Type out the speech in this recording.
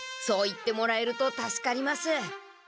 そう言ってもらえると助かります。